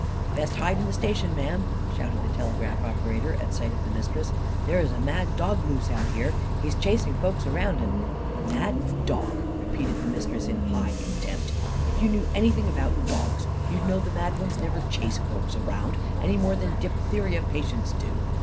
"Best hide in the station, Ma'am!" shouted the telegraph operator, at sight of the Mistress. "There is a mad dog loose out here! He's chasing folks around, and " "Mad dog!" repeated the Mistress in high contempt. "If you knew anything about dogs, you'd know mad ones never 'chase folks around,' any more than diphtheria patients do.